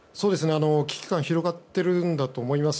危機感が広がっているんだと思います。